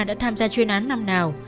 đã tham gia chuyên án năm nào